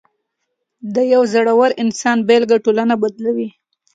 د یو زړور انسان بېلګه ټولنه بدلوي.